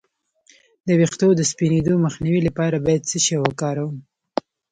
د ویښتو د سپینیدو مخنیوي لپاره باید څه شی وکاروم؟